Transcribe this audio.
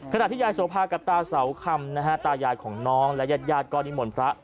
ขนาดที่ยายโสภากับตาเสาค่ำนะฮะตายายของน้องและญาติยาดก้อนอิมวลพระ